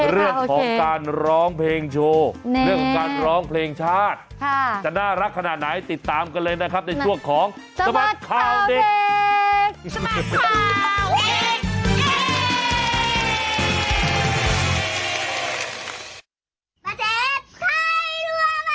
เรื่องของการร้องเพลงโชว์เรื่องของการร้องเพลงชาติจะน่ารักขนาดไหนติดตามกันเลยนะครับในช่วงของสบัดข่าวเด็ก